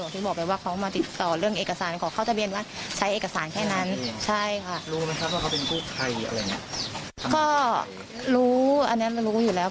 เพื่อนของไอซ์นะครับทำงานกู้ไพรเหมือนกันบอกกับประโยชน์ที่เกี่ยวด้วย